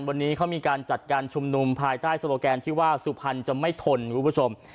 วันนี้เขามีการจัดการชุมนุมภายใต้โซโลแกนที่ว่าสุพรรณจะไม่ทนคุณผู้ชม